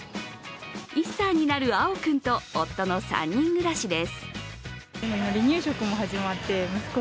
１歳になる碧君と夫の３人暮らしです。